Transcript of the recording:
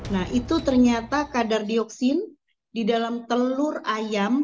nah itu ternyata kadar dioksin di dalam telur ayam